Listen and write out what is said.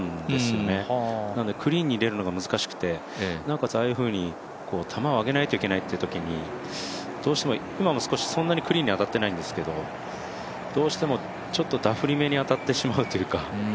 なのでクリーンに入れるのが難しくて、球を上げなければいけないときにどうしても、今も少しそんなにクリーンに上がっていないんですけどどうしても、ちょっとダフりめに当たってしまうというか。